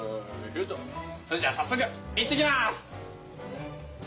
それじゃあ早速行ってきます！